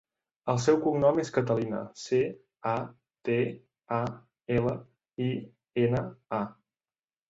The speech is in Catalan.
El seu cognom és Catalina: ce, a, te, a, ela, i, ena, a.